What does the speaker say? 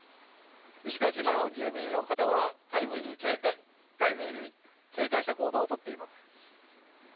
石垣島の住人の方は台風に警戒した行動をとっています。